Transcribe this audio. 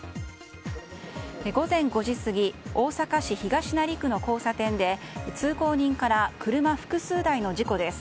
午前５時過ぎ大阪市東成区の交差点で通行人から車複数台の事故です